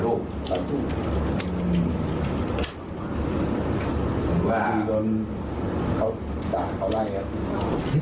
แล้วไม่ได้คุยกันดีกว่าหรอ